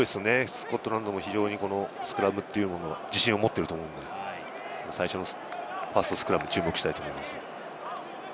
スコットランド代表もスクラムに自信を持っていると思うので、ファーストスクラムに注目したいと思います。